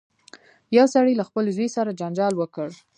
یو سړي له خپل زوی سره جنجال وکړ.